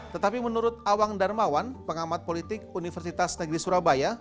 tetapi menurut awang darmawan pengamat politik universitas negeri surabaya